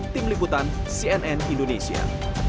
tim liputan cnn indonesia